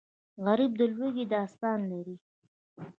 غریب د لوږې داستان لري